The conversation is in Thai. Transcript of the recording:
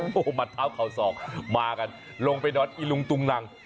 โหมัดเท้าเขาสองมากันลงไปดดอิลุงตุงนัง